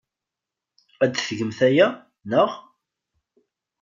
Ad tgemt aya, naɣ?